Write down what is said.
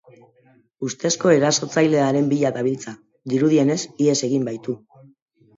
Ustezko erasotzailearen bila dabiltza, dirudienez, ihes egin baitu.